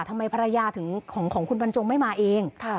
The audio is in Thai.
ทำไมภรรยาถึงของคุณบรรจงไม่มาเอง